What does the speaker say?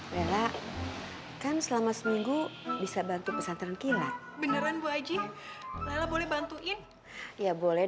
bella kan selama seminggu bisa bantu pesantren kilat beneran bu aji lala boleh bantuin ya boleh